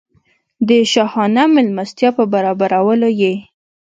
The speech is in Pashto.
د شاهانه مېلمستیا په برابرولو یې.